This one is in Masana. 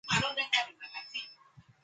Kaïn mi gigè kalgi uhgida.